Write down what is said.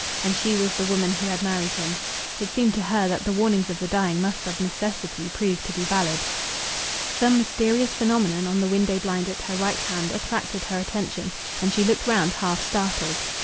And she was the woman who had married him. It seemed to her that the warnings of the dying must of necessity prove to be valid. Some mysterious phenomenon on the window blind at her right hand attracted her attention, and she looked round, half startled.